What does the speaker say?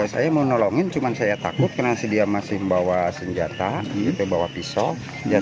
saya mau nolongin cuma saya takut karena dia masih membawa senjata bawa pisau